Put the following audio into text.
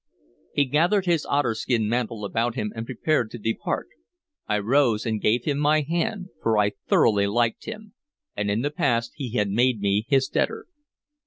He gathered his otterskin mantle about him and prepared to depart. I rose and gave him my hand, for I thoroughly liked him, and in the past he had made me his debtor.